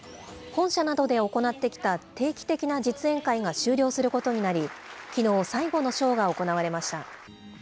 本社などで行ってきた定期的な実演会が終了することになり、きのう、最後のショーが行われました。